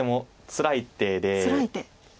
つらい手。